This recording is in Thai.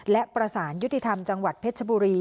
และประสานยุติธรรมจังหวัดเพชรบุรี